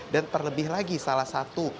dan terlebih lagi salah satu